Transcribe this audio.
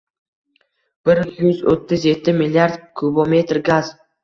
Bir yuz o'ttiz yetti milliard kubometr gaz